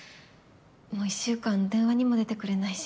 もう１週間電話にも出てくれないし。